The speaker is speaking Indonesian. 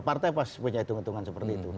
partai pasti punya hitung hitungan seperti itu